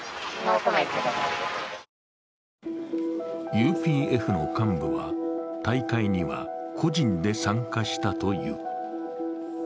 ＵＰＦの幹部は、大会には個人で参加したと言う。